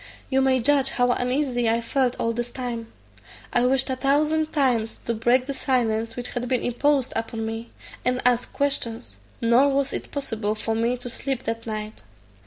You may judge how uneasy I felt all this time. I wished a thousand times to break the silence which had been imposed upon me, and ask questions; nor was it possible for me to sleep that night.